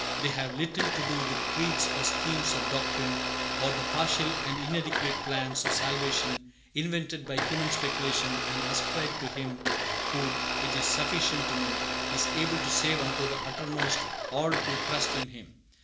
They have little to do with creeds, or schemes of doctrine, or the partial and inadequate plans of salvation invented by human speculation and ascribed to Him who, it is sufficient to know, is able to save unto the uttermost all who trust in Him.